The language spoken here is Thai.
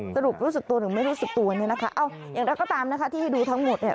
สรุปรู้สึกตัวหรือไม่รู้สึกตัวอย่างนั้นก็ตามที่ให้ดูทั้งหมด